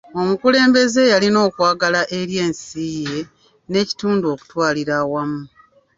Omukulembeze yalina okwagala eri ensi ye n'ekitundu okutwalira awamu.